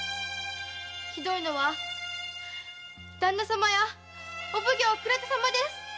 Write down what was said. ひどいのはダンナ様やお奉行の倉田様です。